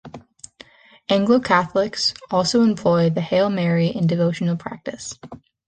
Anglo-Catholics also employ the Hail Mary in devotional practice.